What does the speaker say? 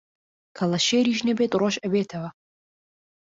کەڵەشێریش نەبێت ڕۆژ ئەبێتەوە